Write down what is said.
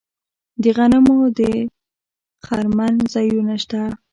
د غنمو د خرمن ځایونه شته.